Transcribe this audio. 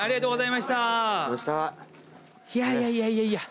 いやいやいやいや。